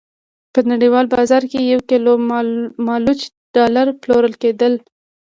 په نړیوال بازار کې یو کیلو مالوچ ډالر پلورل کېدل.